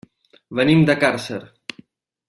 Venim de Càrcer.